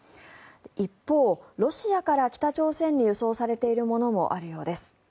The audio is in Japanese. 一方、ロシアから北朝鮮に輸送されているものもあるようです。